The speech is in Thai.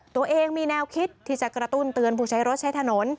ตัวเองมีแนวคิดที่จะกระตุ้นเตือนผู้ใช้รถใช้ถนน